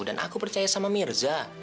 dan aku percaya sama mirza